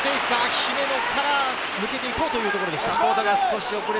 姫野から抜けて行こうというところでした。